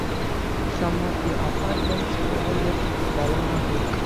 Some of the apartments overlook Ballona Creek.